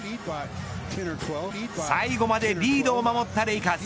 最後までリードを守ったレイカーズ。